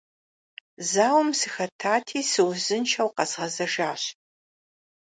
Зауэм сыхэтати, сыузыншэу къэзгъэзэжащ.